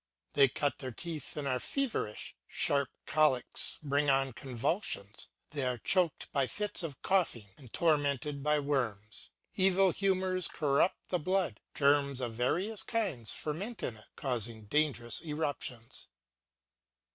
They cut their teeth and are feverish, sharp colics bring on convulsions, they are choked by fits of coughing and tormented by worms, evil humours corrupt the blood, germs of various kinds ferment in it, causing dangerous eruptions.